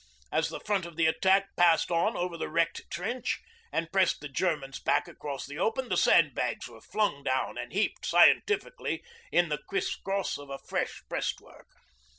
As the front of the attack passed on over the wrecked trench and pressed the Germans back across the open, the sandbags were flung down and heaped scientifically in the criss cross of a fresh breastwork.